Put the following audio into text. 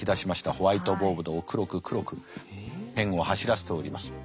ホワイトボードを黒く黒くペンを走らせております。